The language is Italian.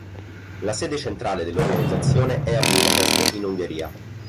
La sede centrale dell'organizzazione è a Budapest in Ungheria.